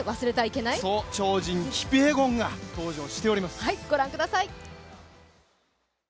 超人キピエゴンが参戦しています。